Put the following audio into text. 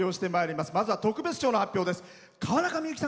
まずは特別賞の発表です。